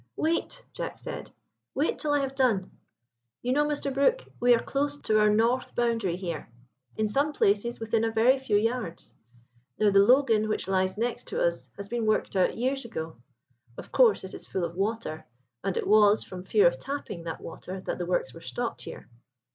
"Wait!" Jack said; "wait till I have done. You know, Mr. Brook, we are close to our north boundary here, in some places within a very few yards. Now the 'Logan,' which lies next to us, has been worked out years ago. Of course it is full of water, and it was from fear of tapping that water that the works were stopped here.